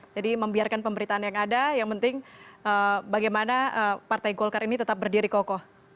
jadi membiarkan pemberitaan yang ada yang penting bagaimana partai golkar ini tetap berdiri kokoh